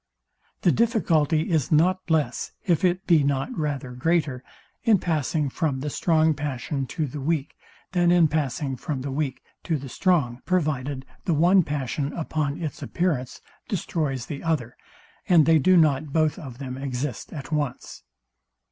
The difficulty is not less, if it be not rather greater, in passing from the strong passion to the weak, than in passing from the weak to the strong, provided the one passion upon its appearance destroys the other, and they do not both of them exist at once.